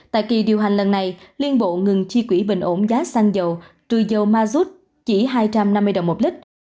tại kỳ điều hành lần này liên bộ ngừng chi quỷ bình ổn giá xăng dầu trừ dầu mazut chỉ hai trăm năm mươi đồng một lít